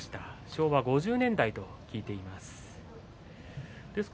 昭和５０年代と聞いています。